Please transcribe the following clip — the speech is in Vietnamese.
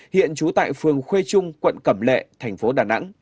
hiện trú tại phường khuê trung quận cẩm lệ tp đà nẵng